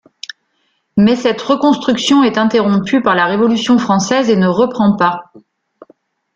Mais cette reconstruction est interrompue par la Révolution française et ne reprend pas.